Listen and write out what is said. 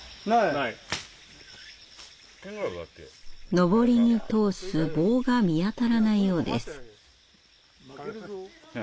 のぼりに通す棒が見当たらないようです。